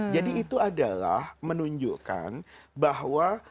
jadi itu adalah menunjukkan bahwa